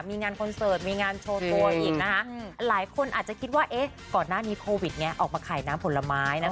มีงานคอนเสิร์ตมีงานโชว์ตัวอีกนะคะหลายคนอาจจะคิดว่าเอ๊ะก่อนหน้านี้โควิดออกมาขายน้ำผลไม้นะคะ